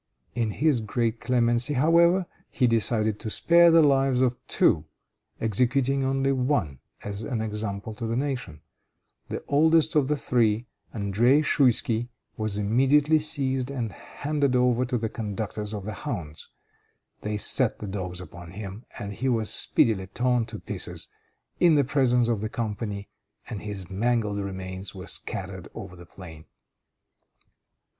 In his great clemency, however, he decided to spare the lives of two, executing only one as an example to the nation. The oldest of the three, André Schouisky, was immediately seized and handed over to the conductors of the hounds. They set the dogs upon him, and he was speedily torn to pieces in the presence of the company, and his mangled remains were scattered over the plain.